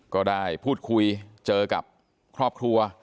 ก็ได้พูดคุยเจอกับครอบครัว